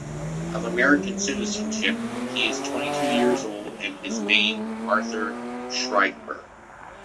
Of American citizenship, he is twenty-two years old and is named Arthur Schreiber.